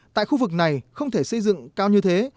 tại khu vực này không thể xây dựng cao như thế